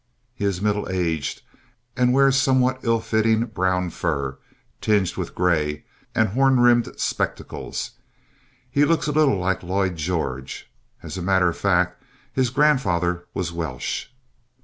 He is middle aged and wears somewhat ill fitting brown fur, tinged with gray, and horn rimmed spectacles. He looks a little like Lloyd George. As a matter of fact, his grandfather was Welsh.